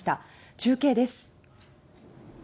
中継です。